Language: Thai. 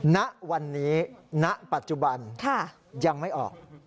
ณวันนี้ณปัจจุบันยังไม่ออก